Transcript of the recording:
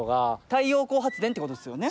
太陽光発電ってことですよね。